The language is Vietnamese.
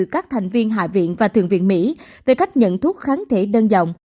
các thành viên hạ viện và thượng viện mỹ về cách nhận thuốc kháng thể đơn giản